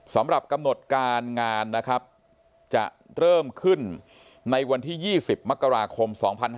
สำหรับกำหนดการงานนะครับจะเริ่มขึ้นในวันที่๒๐มกราคม๒๕๕๙